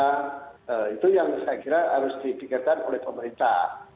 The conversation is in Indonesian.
nah itu yang saya kira harus dipikirkan oleh pemerintah